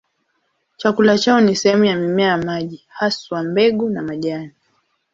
Chakula chao ni sehemu za mimea ya maji, haswa mbegu na majani.